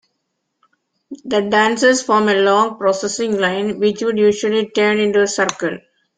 The dancers form a long, processing line, which would usually turn into a circle.